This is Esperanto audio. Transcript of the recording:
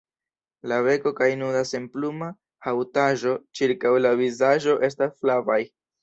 La beko kaj nuda senpluma haŭtaĵo ĉirkaŭ la vizaĝo estas flavaj.